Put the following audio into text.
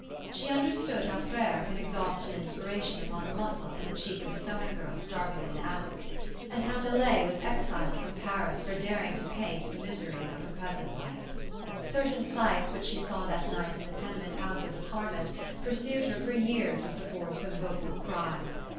She understood how 292 TCHE STORY OF AVIS. Frere can exhaust an inspiration upon the muscle in the cheek of a sewing girl starving in an attic ; and how Millet was exiled from Paris for daring to paint the misery of peasant life. Certain sights which she saw that night in the tenement houses of Harmouth pursued her for years with the force of vocal cries.